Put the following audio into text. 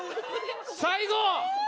最後！